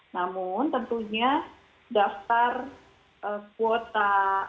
namun tentunya daftar kuota